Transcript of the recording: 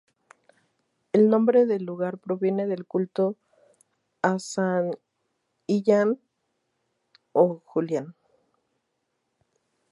El nombre del lugar proviene del culto a San Illán o Julián.